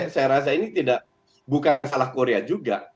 saya rasa ini bukan salah korea juga